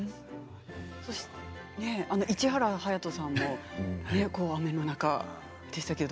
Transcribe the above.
市原隼人さんも雨の中でしたけど。